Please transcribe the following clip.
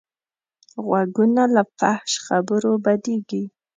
غوږونه له فحش خبرو بدېږي